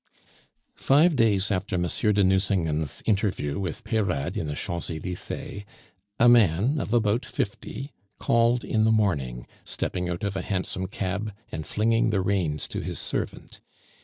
Five days after Monsieur de Nucingen's interview with Peyrade in the Champs Elysees, a man of about fifty called in the morning, stepping out of a handsome cab, and flinging the reins to his servant.